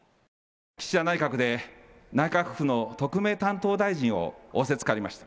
岸田内閣で内閣府の特命担当大臣を仰せつかりました。